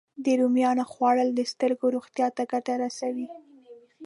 د رومیانو خوړل د سترګو روغتیا ته ګټه رسوي